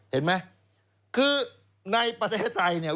เห็นมั้ยก็ในประเทศไทยนี่